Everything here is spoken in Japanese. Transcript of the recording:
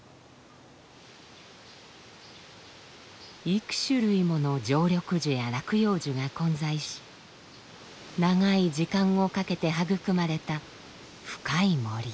幾種類もの常緑樹や落葉樹が混在し長い時間をかけて育まれた深い森。